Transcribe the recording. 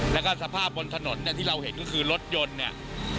แล้วก็สภาพบนถนนเนี่ยที่เราเห็นก็คือรถยนต์เนี่ย